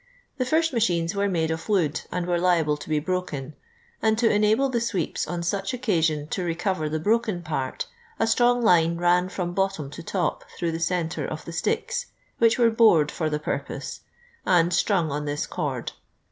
The first machines were made of wood, and were liable to be broken; and to en able the sweeps on such occasions to recover the broken part, a strong line ran from bottom to top through the centre of the sticks, which were bored for the purpose, and stmng on this cord.